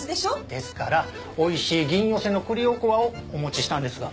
ですからおいしい銀寄の栗おこわをお持ちしたんですが。